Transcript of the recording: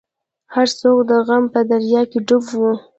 هر څوک د غم په دریا کې ډوب وو.